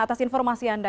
atas informasi anda